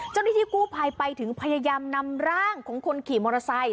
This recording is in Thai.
เจ้าหน้าที่กู้ภัยไปถึงพยายามนำร่างของคนขี่มอเตอร์ไซค